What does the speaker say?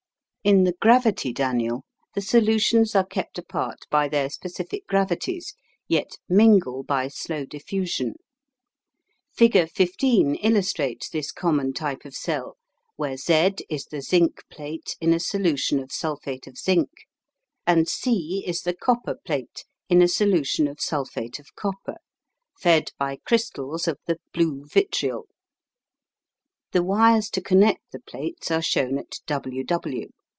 In the "gravity" Daniell the solutions are kept apart by their specific gravities, yet mingle by slow diffusion. Figure 15 illustrates this common type of cell, where Z is the zinc plate in a solution of sulphate of zinc, and C is the copper plate in a solution of sulphate of copper, fed by crystals of the "blue vitriol." The wires to connect the plates are shown at WW.